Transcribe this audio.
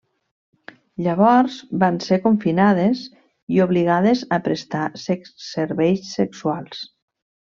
Llavors van ser confinades i obligades a prestar serveis sexuals.